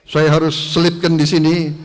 saya harus selipkan di sini